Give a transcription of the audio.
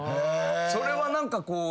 それは何かこう。